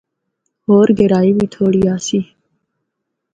ہور گہرائی بھی تھوڑی آسی۔